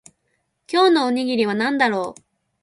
今日のおにぎりは何だろう